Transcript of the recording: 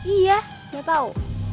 iya gak tau